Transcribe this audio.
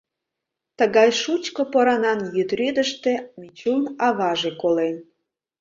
Тыгай шучко поранан йӱд рӱдыштӧ Мичун аваже колен...